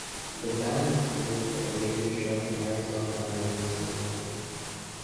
The band played a radio show in Arizona around the same time.